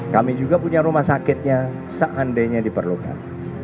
kami juga punya rumah sakitnya seandainya diperlukan